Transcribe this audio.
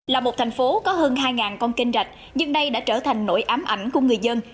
là một thành phố có hơn hai con kênh rạch nhưng đây đã trở thành nỗi ám ảnh của người dân